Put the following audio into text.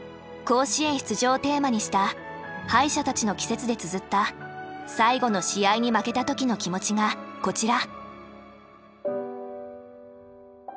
「甲子園出場」をテーマにした「敗者たちの季節」でつづった最後の試合に負けた時の気持ちがこちら。